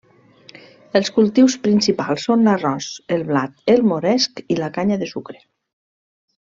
Els cultius principals són l'arròs, el blat, el moresc i la canya de sucre.